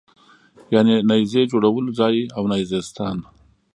یعنې د نېزې جوړولو ځای او نېزه ستان.